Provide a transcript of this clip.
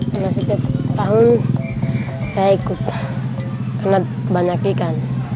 karena setiap tahun saya ikut karena banyak ikan